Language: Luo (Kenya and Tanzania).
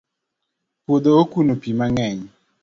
puodho okuno pi mangeny